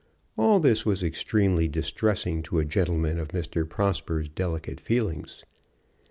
All this was extremely distressing to a gentleman of Mr. Prosper's delicate feelings.